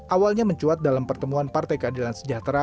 awalnya mencuat dalam pertemuan partai keadilan sejahtera